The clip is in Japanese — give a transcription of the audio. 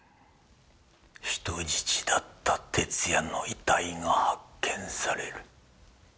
人質だった哲弥の遺体が発見される。